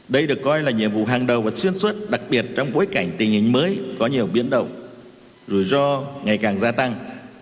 đây được coi là nhiệm vụ hàng đầu và xuyên suốt đặc biệt trong bối cảnh tình hình mới có nhiều biến động rủi ro ngày càng gia tăng